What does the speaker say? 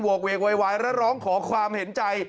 กเวกโวยวายและร้องขอความเห็นใจ